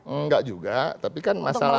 enggak juga tapi kan masalah